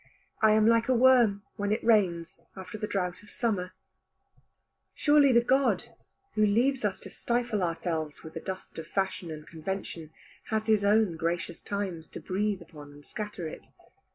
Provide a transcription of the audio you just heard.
I am like a worm when it rains, after the drought of summer. Surely the God, who leaves us to stifle ourselves with the dust of fashion and convention, has His own gracious times to breathe upon and scatter it.